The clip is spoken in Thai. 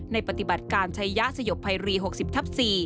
ในปฏิบัติการใช้ยะสยบไพรี๖๐ทับ๔